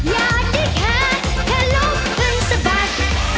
อยากได้แค่แค่ลุกขึ้นสะบัด